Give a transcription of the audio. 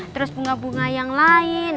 terus bunga bunga yang lain